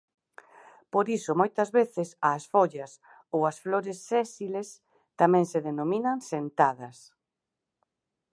Por iso moitas veces ás follas ou as flores "sésiles" tamén se denominan sentadas.